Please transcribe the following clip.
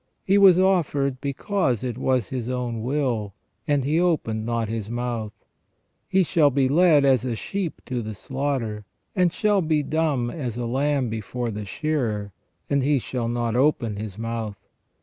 He was offered because it was His own will, and he opened not His mouth. He shall be led as a sheep to the slaughter, and shall be dumb as a lamb before the shearer, and He shall not open His mouth.